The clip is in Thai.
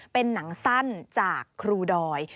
เป็นหนังสั้นจากครูดอย